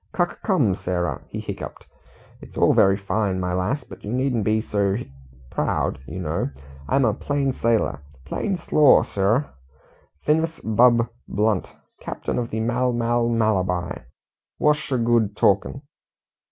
"Cuc come, Sarah," he hiccuped. "It's all very fine, my lass, but you needn't be so hic proud, you know. I'm a plain sailor plain s'lor, Srr'h. Ph'n'as Bub blunt, commander of the Mal Mal Malabar. Wors' 'sh good talkin'?"